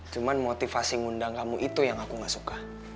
cuma motivasi ngundang kamu itu yang aku gak suka